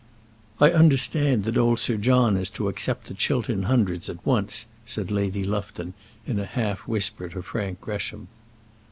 "I understand that old Sir John is to accept the Chiltern Hundreds at once," said Lady Lufton, in a half whisper to Frank Gresham.